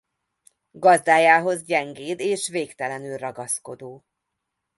Gazdájához gyengéd és végtelenül ragaszkodó.